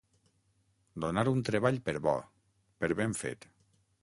Donar un treball per bo, per ben fet.